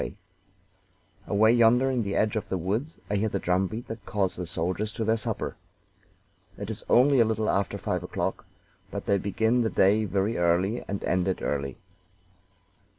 "Away yonder, in the edge of the woods, I hear the drum beat that calls the soldiers to their supper. It is only a little after five o'clock, but they begin the day very early and end it early.